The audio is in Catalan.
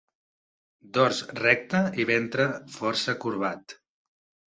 Dors recte i ventre força corbat.